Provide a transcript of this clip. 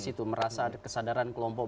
situ merasa kesadaran kelompok